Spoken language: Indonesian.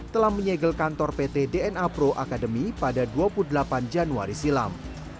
telah menyegel kantor pt dna pro akademi pada dua puluh delapan januari silam